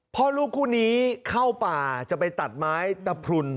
พ่อลูกคู่นี้เข้าป่าจะไปตัดไม้ตะพรุน